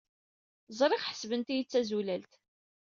Ẓriɣ ḥesbent-iyi d tazulalt.